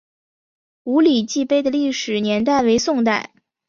五礼记碑的历史年代为宋代。